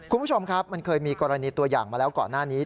คุณผู้ชมครับมันเคยมีกรณีตัวอย่างมาแล้วก่อนหน้านี้